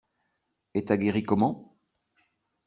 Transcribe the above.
Et t'as guéri comment?